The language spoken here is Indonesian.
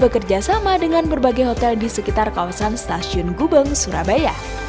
pertama pt kai juga bekerja sama dengan berbagai hotel di sekitar kawasan stasiun gubeng surabaya